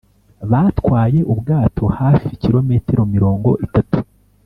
batwaye ubwato hafi kilometero mirongo itatu.